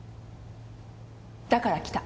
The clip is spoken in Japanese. だから来た。